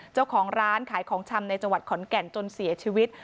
เจ้าของร้านขายของชำในจังหวัดขอนแก่นจนเสียชีวิต